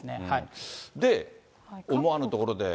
で、思わぬところで。